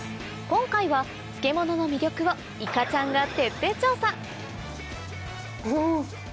今回は漬物の魅力をいかちゃんが徹底調査うん！